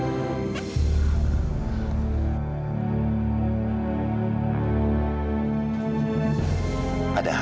ayahmu ada di dalam